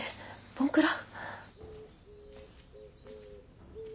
ボンクラ？